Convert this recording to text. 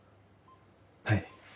はい。